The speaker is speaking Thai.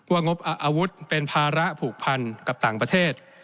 งบอาวุธเป็นภาระผูกพันกับต่างประเทศ